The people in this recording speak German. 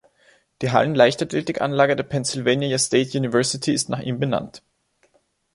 Die Hallen-Leichtathletikanlage der Pennsylvania State University ist nach ihm benannt.